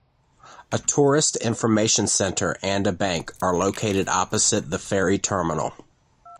A tourist information centre and a bank are located opposite the ferry terminal.